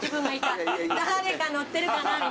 誰か乗ってるかなみたいな。